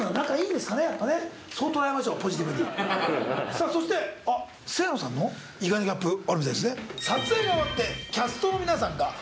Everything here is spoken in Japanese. さぁそして清野さんも意外なギャップあるんですね。